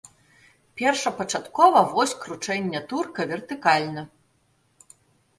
Першапачаткова вось кручэння турка вертыкальна.